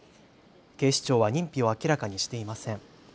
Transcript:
警視庁は認否を明らかにしていません。